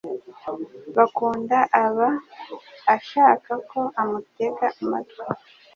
bakundana aba ashaka ko amutega amatwi